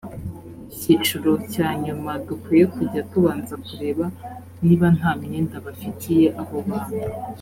icyiciro cya nyuma dukwiye kujya tubanza kureba niba nta myenda bafitiye abo bantu